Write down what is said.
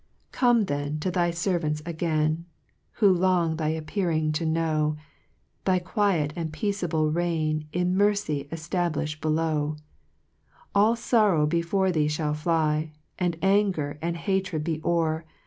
4 Come then to thy fervauts again, Who long thy appearing to know* Thy quiet and peaceable reign In mercy eftablifh below : All forrow before thee fliall fly, And anger and hatred be o'er